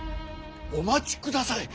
お待ちください。